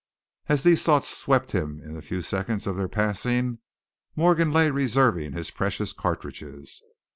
As these thoughts swept him in the few seconds of their passing, Morgan lay reserving his precious cartridges.